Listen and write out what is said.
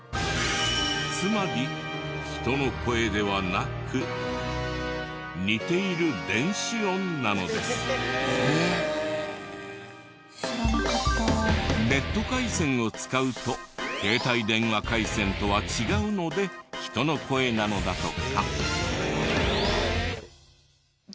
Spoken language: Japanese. つまり人の声ではなくネット回線を使うと携帯電話回線とは違うので人の声なのだとか。